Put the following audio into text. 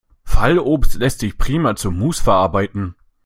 Fallobst lässt sich prima zu Muß verarbeiten.